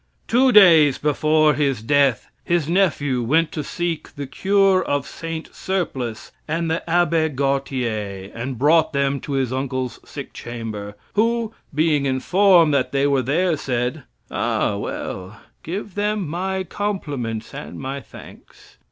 Two days before his death, his nephew went to seek the cure of Saint Surplice and the Abbe Gautier, and brought them to his uncle's sick chamber, who, being informed that they were there, said: "Ah, well, give them my compliments and my thanks."